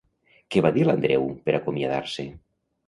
Què va dir l'Andreu per acomiadar-se?